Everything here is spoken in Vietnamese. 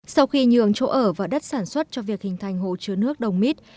sau khi nhường chỗ ở và đất sản xuất cho việc hình thành hồ chứa nước đồng mít